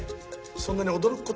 そんなに驚く事か？